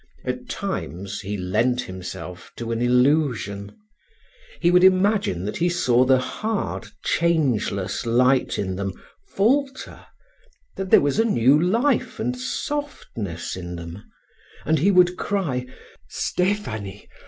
At times he lent himself to an illusion; he would imagine that he saw the hard, changeless light in them falter, that there was a new life and softness in them, and he would cry, "Stephanie!